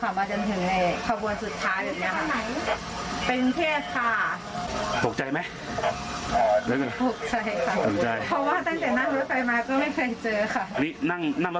ก็ไม่เคยเจอเหตุการณ์อย่างนี้เลยใช่ไหม